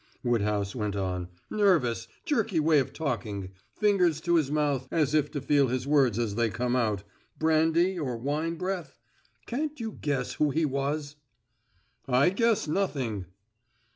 Woodhouse went on. "Nervous, jerky way of talking fingers to his mouth, as if to feel his words as they come out brandy or wine breath? Can't you guess who he was?" "I guess nothing."